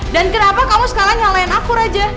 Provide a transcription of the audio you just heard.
dan kenapa kamu sekalian nyalahin aku aja